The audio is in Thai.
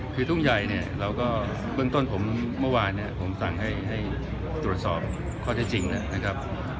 คือทุ่งใหญ่เนี่ยเราก็เบื้องต้นผมเมื่อวานเนี่ยผมสั่งให้ตรวจสอบข้อเท็จจริงนะครับ